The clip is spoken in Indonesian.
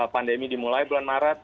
pandemi dimulai bulan maret